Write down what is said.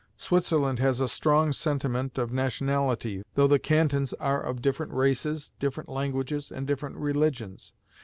Switzerland has a strong sentiment of nationality, though the cantons are of different races, different languages, and different religions.